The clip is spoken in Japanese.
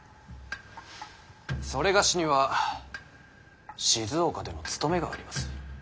某には静岡での務めがあります。